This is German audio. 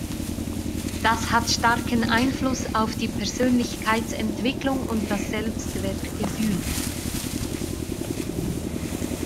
Das hat starken Einfluss auf die Persönlichkeitsentwicklung und das Selbstwertgefühl.